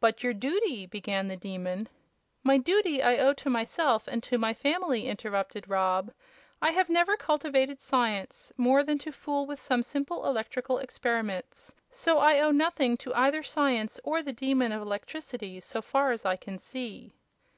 "But, your duty " began the Demon. "My duty I owe to myself and to my family," interrupted Rob. "I have never cultivated science, more than to fool with some simple electrical experiments, so I owe nothing to either science or the Demon of Electricity, so far as I can see."